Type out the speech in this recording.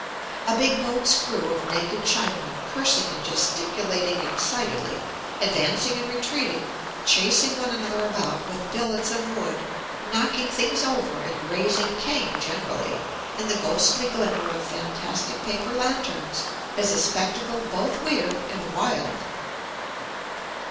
A big boat's crew of naked Chinamen cursing and gesticulating excitedly, advancing and retreating, chasing one another about with billets of wood, knocking things over, and raising Cain generally, in the ghostly glimmer of fantastic paper lanterns, is a spectacle both weird and wild.